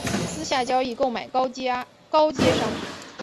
私下交易购买高阶商品